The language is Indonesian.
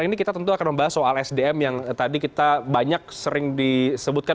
ini kita tentu akan membahas soal sdm yang tadi kita banyak sering disebutkan